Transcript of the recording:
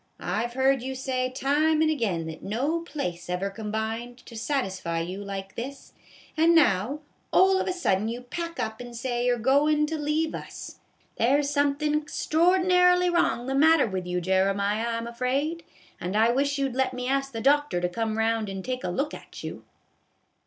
I 've heard you say time and ag'in that no place ever combined to satisfy you like this, and now, all of a sudden, you pack up and say you 're goin' to leave us. There 's somethin' extraordinarily wrong the matter with you, Jeremiah, I 'm afraid, and I wish you 'd let me ask the doctor to come 'round and take a look at you."